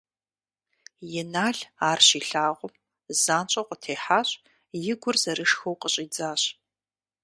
Инал ар щилъагъум, занщӀэу къытехьащ, и гур зэрышхыу къыщӀидзащ.